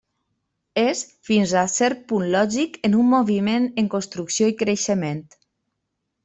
És fins a cert punt lògic en un moviment en construcció i creixement.